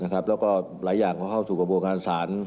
แล้วก็หลายอย่างก็เข้าสู่กระบวนการศาล